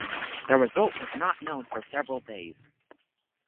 The result was not known for several days.